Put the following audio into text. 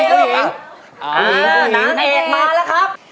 นางเอกมาแล้วครับ